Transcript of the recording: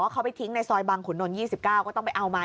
เขาไปทิ้งในซอยบังขุนนล๒๙ก็ต้องไปเอาไม้